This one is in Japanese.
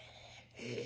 ええ？